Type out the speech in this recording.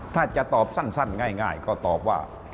ถ้าจะตอบสั้นง่ายก็ตอบว่า